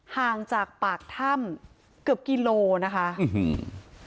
ห่างจากปากถ้ำเกือบกิโลนะคะอื้อหือ